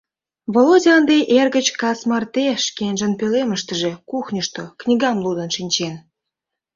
Володя ынде эр гыч кас марте шкенжын пӧлемыштыже, кухньышто, книгам лудын шинчен.